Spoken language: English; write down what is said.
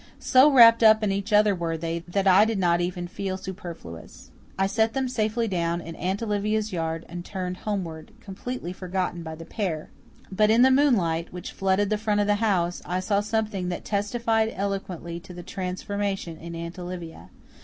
So wrapped up in each other were they that I did not even feel superfluous. I set them safely down in Aunt Olivia's yard and turned homeward, completely forgotten by the pair. But in the moonlight, which flooded the front of the house, I saw something that testified eloquently to the transformation in Aunt Olivia.